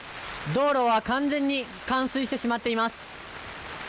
道路は完全に冠水してしまっています。